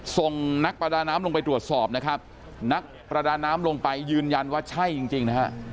ส่งนักประดาน้ำลงไปตรวจสอบนะครับนักประดาน้ำลงไปยืนยันว่าใช่จริงจริงนะฮะ